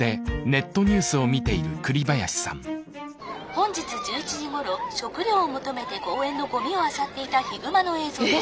「本日１１時ごろ食料を求めて公園のゴミをあさっていたヒグマの映像です」。